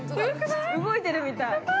◆動いてるみたい。